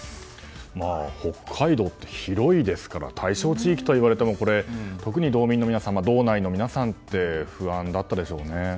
北海道は広いですから対象地域といわれても特に道民の皆さん道内の皆さんって不安だったでしょうね。